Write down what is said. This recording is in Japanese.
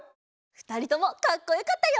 ふたりともかっこよかったよ！